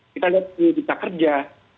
kita lihat di tiktok kerja